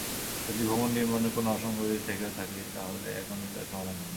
যদি ভবন নির্মাণে কোনো অসংগতি থেকেও থাকে, তাহলে এখনই তার সমাধান করুন।